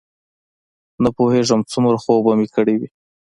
نه پوهېږم څومره خوب به مې کړی وي.